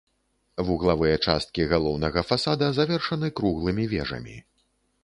Вуглавыя часткі галоўнага фасада завершаны круглымі вежамі.